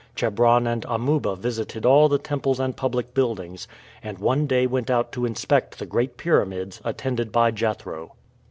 Chebron and Amuba visited all the temples and public buildings, and one day went out to inspect the great pyramids attended by Jethro.